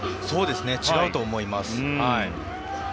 違うと思います。